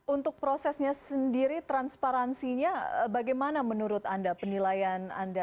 untuk prosesnya sendiri transparansinya bagaimana menurut anda penilaian anda